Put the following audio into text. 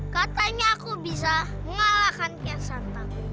katanya aku bisa mengalahkan kiyasanta